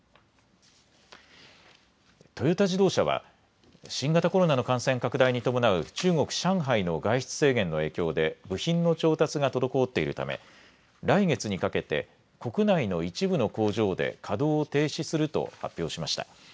トヨタ自動車は新型コロナの感染拡大に伴う中国上海の外出制限の影響で部品の調達が滞っているため来月にかけて国内の一部の工場で稼働を停止すると発表しました。